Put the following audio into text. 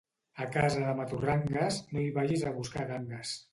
A casa de maturrangues, no hi vagis a buscar gangues.